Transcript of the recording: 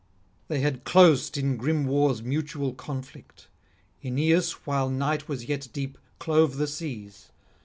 They had closed in grim war's mutual conflict; Aeneas, while night was yet deep, clove the seas.